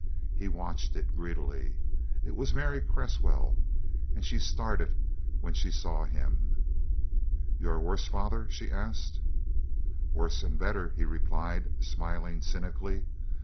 He watched it greedily. It was Mary Cresswell, and she started when she saw him. "You are worse, father?" she asked. "Worse and better," he replied, smiling cynically.